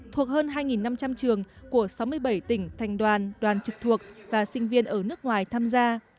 thuộc hơn hai năm trăm linh trường của sáu mươi bảy tỉnh thành đoàn đoàn trực thuộc và sinh viên ở nước ngoài tham gia